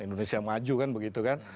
indonesia maju kan begitu kan